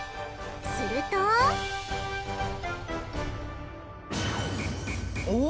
するとお！